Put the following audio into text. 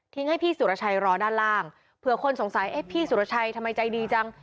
ให้พี่สุรชัยรอด้านล่างเผื่อคนสงสัยเอ๊ะพี่สุรชัยทำไมใจดีจัง